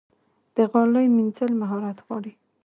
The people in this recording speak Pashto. د غالۍ مینځل مهارت غواړي.